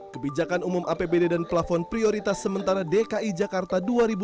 kebijakan umum apbd dan plafon prioritas sementara dki jakarta dua ribu dua puluh